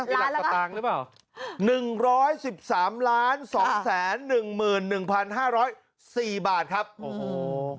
เป็นหลักสตางค์หรือเปล่าหนึ่งร้อยสิบสามล้านสองแสนหนึ่งหมื่นหนึ่งพันห้าร้อยสี่บาทครับโอ้โห